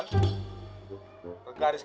garis kuning di rumah si sulang itu